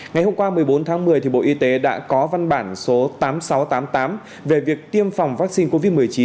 ngày hôm qua một mươi bốn tháng một mươi bộ y tế đã có văn bản số tám nghìn sáu trăm tám mươi tám về việc tiêm phòng vaccine covid một mươi chín